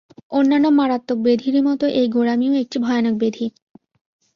অন্যান্য মারাত্মক ব্যাধিরই মত এই গোঁড়ামিও একটি ভয়ানক ব্যাধি।